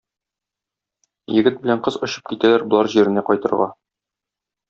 Егет белән кыз очып китәләр болар җиренә кайтырга.